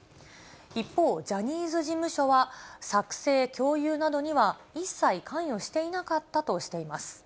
一方、ジャニーズ事務所は作成・共有などには一切関与していなかったとしています。